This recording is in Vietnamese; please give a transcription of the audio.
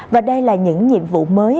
và đây là những nhiệm vụ mới